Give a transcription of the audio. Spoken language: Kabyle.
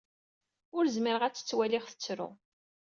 Ur zmireɣ ad tt-ttwaliɣ tettru.